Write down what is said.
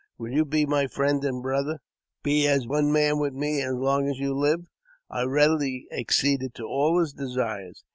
Will you be my friend and brother ? be as one man with me as long as you live ?" I readily acceded to all his desires.